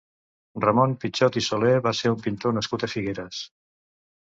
Ramon Pichot i Soler va ser un pintor nascut a Figueres.